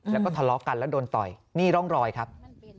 แล้วก็ทะเลาะกันแล้วโดนต่อยนี่ร่องรอยครับ